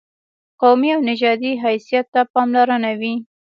قومي او نژادي حیثیت ته پاملرنه وي.